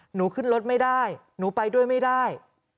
หนูขึ้นรถไม่ได้หนูไปด้วยไม่ได้